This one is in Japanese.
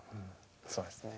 そうですね。